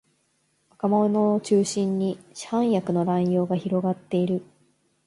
若者を中心に市販薬の乱用が広がっている